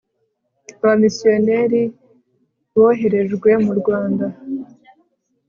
abamisiyoneri boherejwe mu rwanda